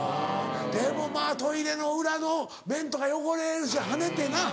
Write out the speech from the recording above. でもまぁトイレの裏の面とか汚れるし跳ねてな。